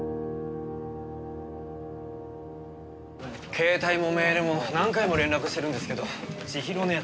携帯もメールも何回も連絡してるんですけど千尋の奴